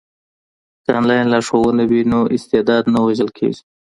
که انلاین لارښوونه وي نو استعداد نه وژل کیږي.